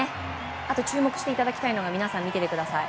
あと注目していただきたいのが皆さん、見てください。